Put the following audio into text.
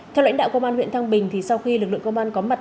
theo lãnh đạo công an huyện thăng bình thì sau khi lực lượng công an có mặt